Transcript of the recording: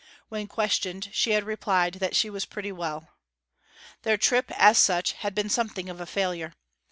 When questioned she had replied that she was pretty well. Their trip, as such, had been something of a failure.